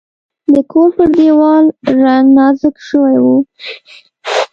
د کور پر دیوال رنګ نازک شوی و.